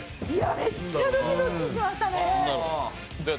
めっちゃドキドキしましたね。